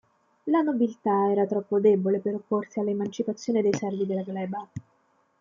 La nobiltà era troppo debole per opporsi alla emancipazione dei servi della gleba.